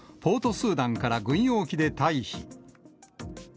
スーダンから軍用機で退避。